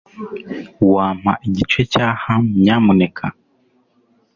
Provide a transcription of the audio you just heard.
Wampa igice cya ham, nyamuneka?